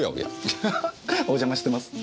アハハお邪魔してます。